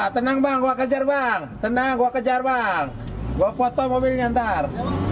tenang banget kejar bang tenang gue kejar bang gua foto mobilnya ntar